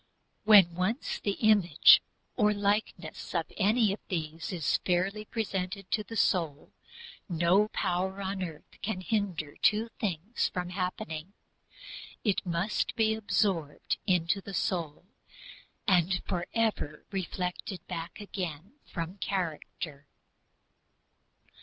When once the image or likeness of any of these is fairly presented to the soul, no power on earth can hinder two things happening it must be absorbed into the soul and forever reflected back again from character.